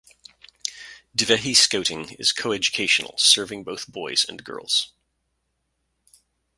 Divehi Scouting is coeducational, serving both boys and girls.